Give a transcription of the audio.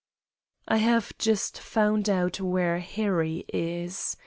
"I have just found out where Harry is.